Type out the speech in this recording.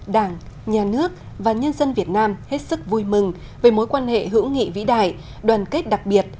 đảng nhà nước và nhân dân việt nam hết sức vui mừng về mối quan hệ hữu nghị vĩ đại đoàn kết đặc biệt